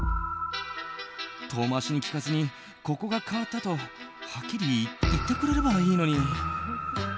遠まわしに聞かずにここが変わったとはっきり言ってくれればいいのに。